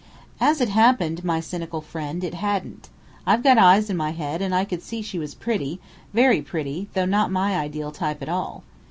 "As it happened, my cynical friend, it hadn't. I've got eyes in my head and I could see she was pretty, very pretty, though not my ideal type at all.